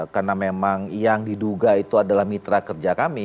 karena memang yang diduga itu adalah mitra kerja kami